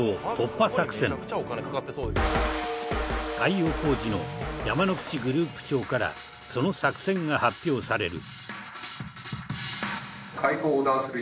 海洋工事の山之口グループ長からその作戦が発表される。